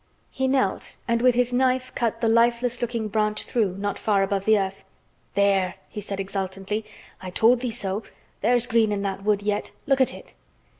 He knelt and with his knife cut the lifeless looking branch through, not far above the earth. "There!" he said exultantly. "I told thee so. There's green in that wood yet. Look at it."